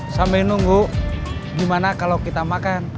sambil nunggu gimana kalau kita makan